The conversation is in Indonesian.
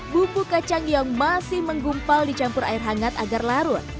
bumbu kacang yang masih menggumpal dicampur air hangat agar larut